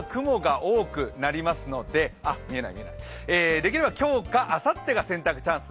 でも、できれば今日かあさってが選択チャンス。